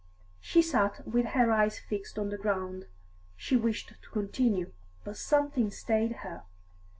She sat with her eyes fixed on the ground. She wished to continue, but something stayed her.